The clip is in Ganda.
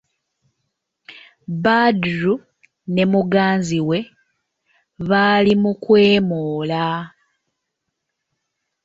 Badru ne muganzi we baali mu kwemoola.